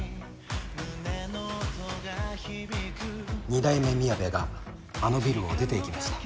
二代目みやべがあのビルを出ていきました。